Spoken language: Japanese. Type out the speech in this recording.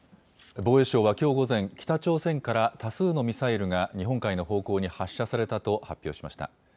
防衛省はきょう午前、北朝鮮から多数のミサイルが日本海の方向に発射されたと発表しました。